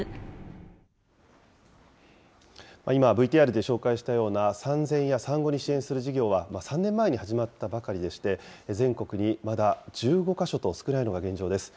今、ＶＴＲで紹介したような、産前や産後に支援する事業は、３年前に始まったばかりでして、全国にまだ１５か所と少ないのが現状です。